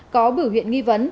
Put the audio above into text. có bửu huyện nghi vấn